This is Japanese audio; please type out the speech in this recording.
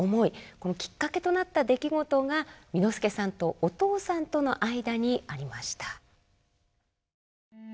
このきっかけとなった出来事が簑助さんとお父さんとの間にありました。